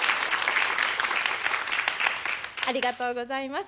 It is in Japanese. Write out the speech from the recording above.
ありがとうございます。